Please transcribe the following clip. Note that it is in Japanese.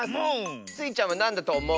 スイちゃんはなんだとおもう？